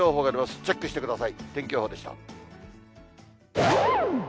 チェックしてください。